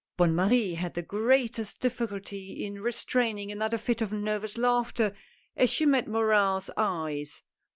Bonne Marie had the greatest difficulty in restraining another fit of nervous laughter as she met Morin's eyes.